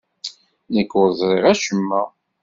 Nekk ur ẓriɣ acemma.